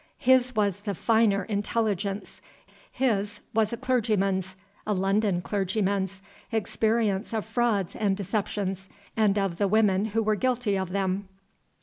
His was the finer intelligence; his was a clergyman's (a London clergyman's) experience of frauds and deceptions, and of the women who were guilty of them.